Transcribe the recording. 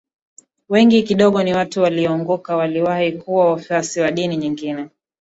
wengi kidogo ni watu walioongoka waliwahi kuwa wafuasi wa dini nyingine